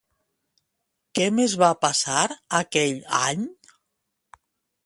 Què més va passar aquell any?